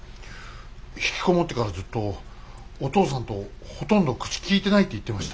ひきこもってからずっとお父さんとほとんど口きいてないって言ってました。